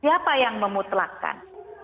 siapa yang memutlakkan